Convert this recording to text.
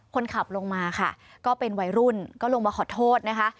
คนขับลงมาค่ะก็เป็นวัยรุ่นก็ลงมาขอโทษนะคะ